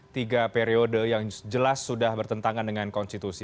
tiga periode yang jelas sudah bertentangan dengan konstitusi